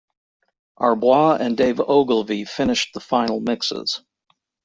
Arboit and Dave Ogilvie finished the final mixes.